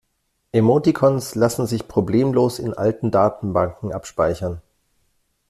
Emoticons lassen sich problemlos in alten Datenbanken abspeichern.